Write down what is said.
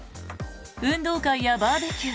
運動会やバーベキュー